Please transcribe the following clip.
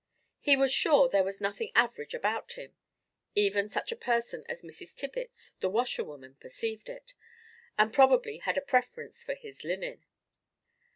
He was sure there was nothing average about him: even such a person as Mrs. Tibbits, the washer woman, perceived it, and probably had a preference for his linen.